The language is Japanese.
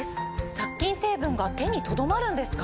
殺菌成分が手にとどまるんですか？